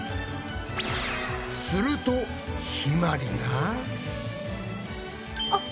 するとひまりが。